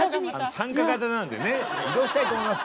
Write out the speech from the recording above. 参加型なんでね「移動したいと思います」